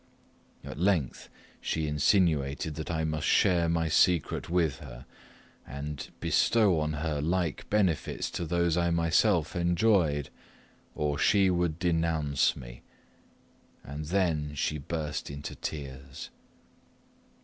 At length she insinuated that I must share my secret with her, and bestow on her like benefits to those I myself enjoyed, or she would denounce me and then she burst into tears.